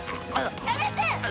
やめて！